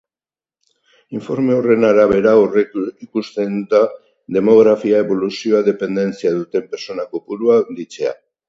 Informe horren arabera aurreikusten da demografia eboluzioak dependentzia duten pertsona kopurua handitzea.